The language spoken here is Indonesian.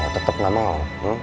tetep gak mau